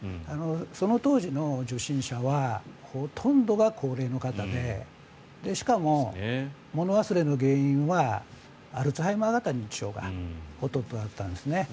その当時の受診者はほとんどが高齢の方でしかも物忘れの原因はアルツハイマー型認知症がほとんどだったんですね。